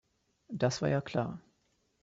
Das war ja klar.